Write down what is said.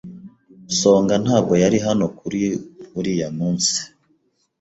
Songa ntabwo yari hano kuri uriya munsi.